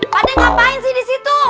pakde ngapain sih disitu